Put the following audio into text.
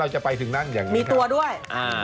มีตัวด้วย